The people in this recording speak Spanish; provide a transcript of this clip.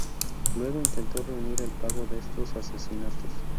Luego, intentó reunir el pago de estos asesinatos.